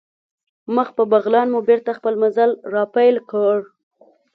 مخ په بغلان مو بېرته خپل مزل را پیل کړ.